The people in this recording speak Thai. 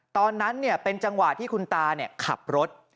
ตอนนั้นเป็นจังหวะที่คุณตาขับรถ